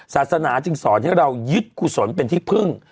ศาสนาจึงสอนให้เรายึดกุศลเป็นที่พึ่ง